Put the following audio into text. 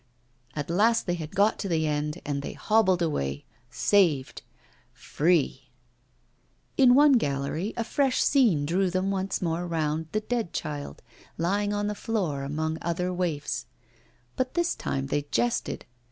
At last they had got to the end, and they hobbled away, saved free! In one gallery a fresh scene drew them once more round 'The Dead Child,' lying on the floor among other waifs. But this time they jested.